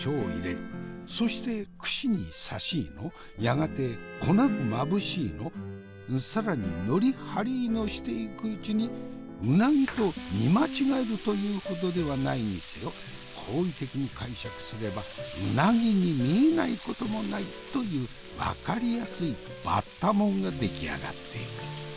そして串に刺しのやがて粉まぶしの更にのり貼りのしていくうちにうなぎと見間違えるというほどではないにせよ好意的に解釈すればうなぎに見えないこともないという分かりやすいバッタもんが出来上がってゆく。